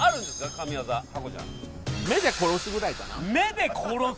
神業ハコちゃん目で殺すぐらいかな目で殺す？